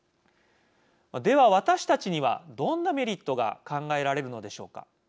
では私たちにはどんなメリットが考えられるのでしょうか。